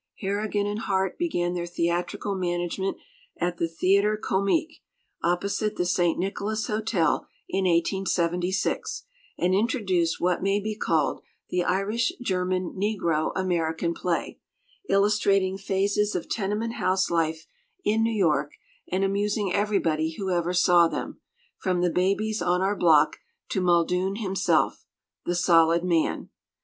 Harrigan and Hart began their theatrical management at the Theatre Comique, opposite the St. Nicholas Hotel, in 1876, and introduced what may be called the Irish German Negro American play, illustrating phases of tenement house life in New York, and amusing everybody who ever saw them, from the Babies on our Block to Muldoon himself, the Solid Man.